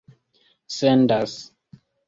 sendas